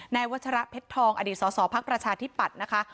วัชระเพชรทองอดีตสสพักประชาธิปัตย์นะคะ